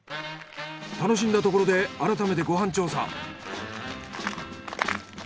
楽しんだところで改めてご飯調査。